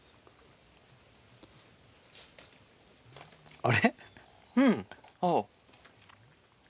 あれ？